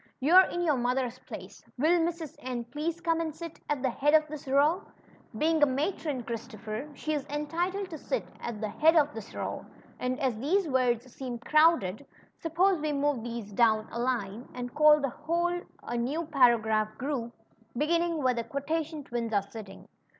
You're in your mother's place. Will Mrs. N please come and sit at the head of this row ? Being a matron, Christopher, she is entitled to sit at the head of as these Avords seem croAvded, suppose doAvn a line, and call the whole a neAv paragraph group, beginning Avhere the Quotation tAvins are sitting."